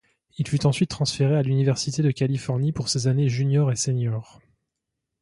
Il fut ensuite transféré à l'université de Californie pour ses années junior et senior.